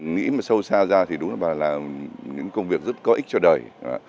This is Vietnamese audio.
nghĩ mà sâu xa ra thì đúng là bà làm những công việc rất có ích cho đời